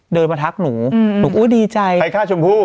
เดินมาทักหนูอืมหนูโอ้ยดีใจใครฆ่าชมพูอืม